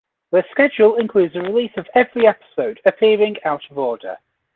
Their schedule includes a release of every episode, appearing out of order.